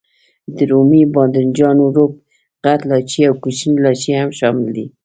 د رومي بانجانو روب، غټ لاچي او کوچنی لاچي هم شامل دي.